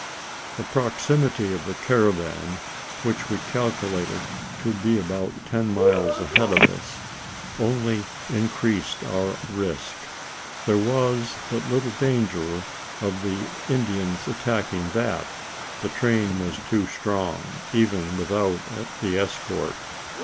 The proximity of the caravan which we calculated to be about ten miles ahead of us only increased our risk. There was but little danger of the Indians attacking that: the train was too strong, even without the escort.